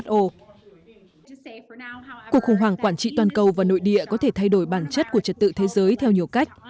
cuộc khủng hoảng quản trị toàn cầu và nội địa có thể thay đổi bản chất của trật tự thế giới theo nhiều cách